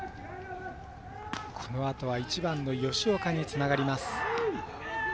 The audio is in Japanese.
このあとは１番の吉岡につながります。